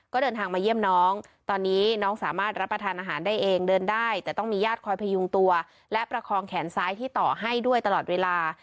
ก็เดินทางมาเยี่ยมน้องตอนนี้น้องสามารถรับประทานอาหารได้เองเดินได้แต่ต้องมีญาติคอยพยุงตัวและประคองแขนซ้ายที่ต่อให้ด้วยตลอดเวลา